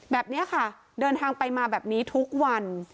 แบบนี้ค่ะเดินทางไปมาแบบนี้ทุกวัน